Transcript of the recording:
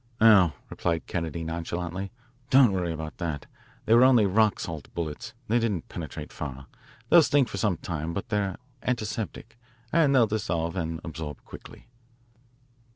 "Oh," replied Kennedy nonchalantly, "don't worry about that. They were only rock salt bullets. They didn't penetrate far. They'll sting for some time, but they're antiseptic, and they'll dissolve and absorb quickly."